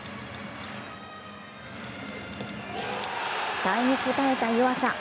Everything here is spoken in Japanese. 期待に応えた湯浅。